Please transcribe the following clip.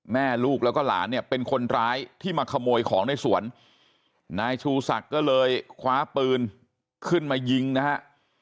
แม่ลูกแล้วก็หลานเนี่ยเป็นคนร้ายที่มาขโมยของในสวนนายชูศักดิ์ก็เลยคว้าปืนขึ้นมายิงนะฮะ